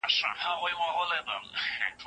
پښتو ژبه زموږ مور ده.